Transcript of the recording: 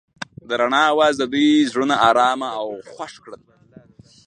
د رڼا اواز د دوی زړونه ارامه او خوښ کړل.